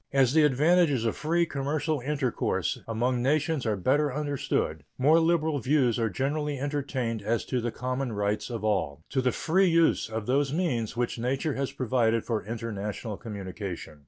As the advantages of free commercial intercourse among nations are better understood, more liberal views are generally entertained as to the common rights of all to the free use of those means which nature has provided for international communication.